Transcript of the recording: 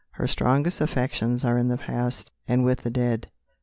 Her strongest affections are in the past, and with the dead.